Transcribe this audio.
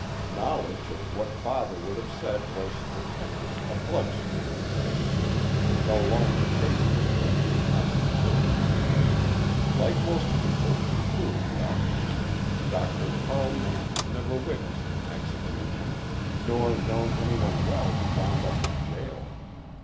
Knowledge of what Father would have said was for Terence a bloodstream thing, no longer traceable to any remembered words. Like most people including doctors, Dr. Carl Mann had never witnessed an execution, nor known anyone well who wound up in jail.